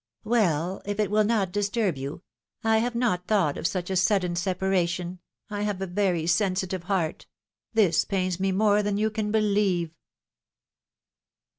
^^ "Well, if it will not disturb you — I have not thought of such a sudden separation — I have a very sensitive heart ! This pains me more than you can believe."